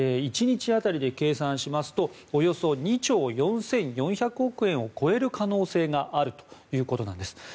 １日当たりで計算しますとおよそ２兆４４００億円を超える可能性があるということです。